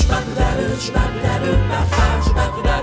นะครับ